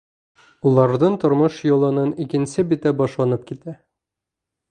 Уларҙың тормош юлының икенсе бите башланып китә.